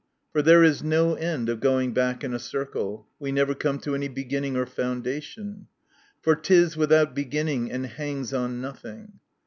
For there is no end of going back in a circle. We never come to any beginning, or foundation. For it is without beginning and hangs on nothing.